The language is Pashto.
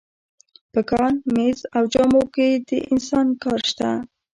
په کان، مېز او جامو کې د انسان کار شته